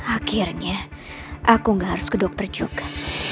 akhirnya aku gak harus ke dokter juga